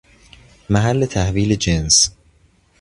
محل تحویل جنس